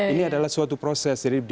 ini adalah suatu proses